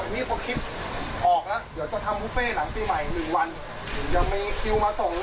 เดี๋ยวจะเลี้ยงบ่ยบ่ยกี้พวกคิดออกล่ะ